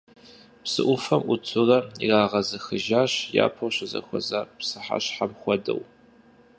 Псы Ӏуфэм Ӏутурэ ирагъэзыхыжащ, япэу щызэхуэза пщыхьэщхьэм хуэдэу.